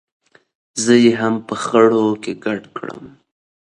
زه یې هم په خړو کې ګډ کړم.